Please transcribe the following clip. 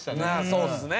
そうですね。